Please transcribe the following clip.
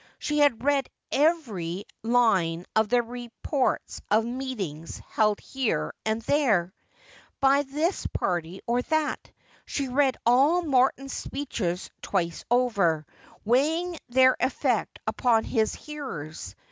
She had read every line of the reports of meetings held here and there, by this party or that. She read all Morton's speeches twice over, weighing their effect upon his hearers.